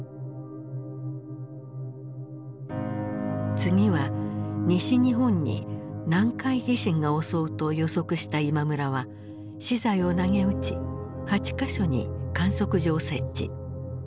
次は西日本に南海地震が襲うと予測した今村は私財をなげうち８か所に観測所を設置。